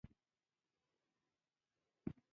ټپي کول جرم دی.